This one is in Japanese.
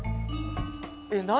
えっ何？